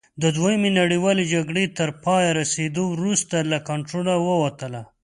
د دویمې نړیوالې جګړې تر پایته رسېدو وروسته له کنټروله ووتله.